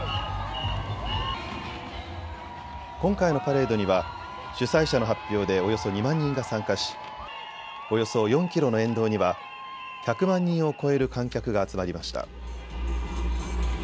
今回のパレードには主催者の発表でおよそ２万人が参加しおよそ４キロの沿道には１００万人を超える観客が集まりました。